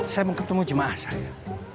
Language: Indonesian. saya mau ketemu jemaah saya